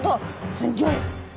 すギョい！